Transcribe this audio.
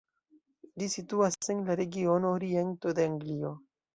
Ĝi situas en la regiono oriento de Anglio.